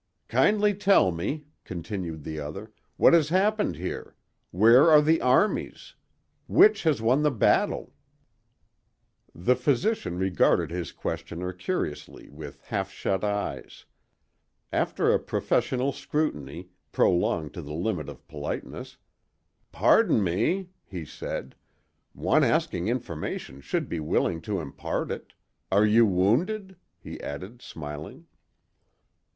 "Kindly tell me," continued the other, "what has happened here. Where are the armies? Which has won the battle?" The physician regarded his questioner curiously with half shut eyes. After a professional scrutiny, prolonged to the limit of politeness, "Pardon me," he said; "one asking information should be willing to impart it. Are you wounded?" he added, smiling.